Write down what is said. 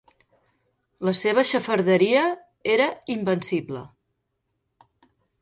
La seva xafarderia era invencible.